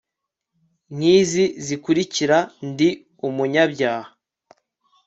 nki izi zikurikira ndi umunyabyaha